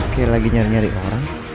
kayak lagi nyari nyari barang